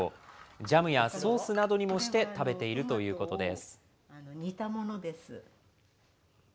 ジャムやソースなどにもして食べているということです。